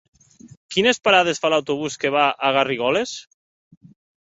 Quines parades fa l'autobús que va a Garrigoles?